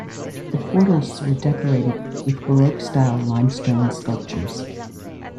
The portals were decorated with Baroque style limestone sculptures.